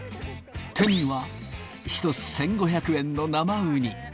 手には１つ１５００円の生ウニ。